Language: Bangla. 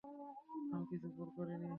আমি কিছু ভুল করিনি।